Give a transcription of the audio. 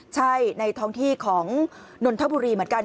ใช่ในท้องที่ของนนทบุรีเหมือนกัน